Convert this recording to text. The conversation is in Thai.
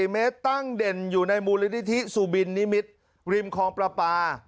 ๔เมตรตั้งเด่นอยู่ในมูลนิธิสุบินนิมิตรริมคลองประปา